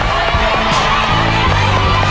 เร็ว